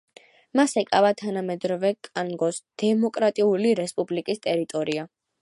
მას ეკავა თანამედროვე კონგოს დემოკრატიული რესპუბლიკის ტერიტორია.